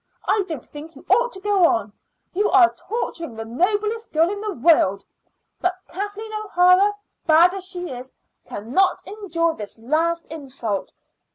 I don't think you ought to go on. You are torturing the noblest girl in the world. But Kathleen O'Hara, bad as she is, cannot endure this last insult.